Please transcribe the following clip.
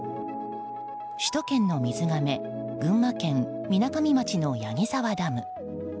首都圏の水がめ群馬県みなかみ町の矢木沢ダム。